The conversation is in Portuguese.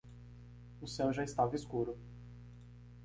O céu já estava escuro.